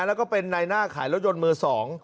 แล้วก็เป็นในหน้าขายรถยนต์มือสอง